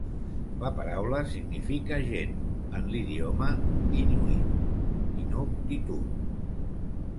La paraula significa "gent" en l'idioma inuit - Inuktitut.